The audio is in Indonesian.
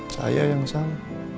saya yang salah